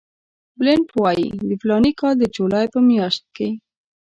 بلنټ وایي د فلاني کال د جولای په میاشت کې.